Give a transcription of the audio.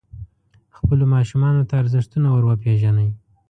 خپلو ماشومانو ته ارزښتونه وروپېژنئ.